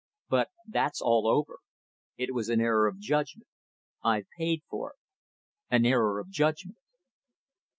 But that's all over. It was an error of judgment. I've paid for it. An error of judgment."